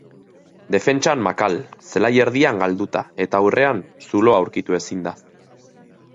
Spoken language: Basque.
Defentsan makal, zelai erdian galduta eta aurrean zuloa aurkitu ezinda.